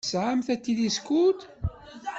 Tesɛamt atiliskud?